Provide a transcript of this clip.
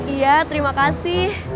iya terima kasih